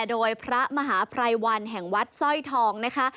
โดยพระมหาภัยวันแห่งวัดสร้อยทองนะคะ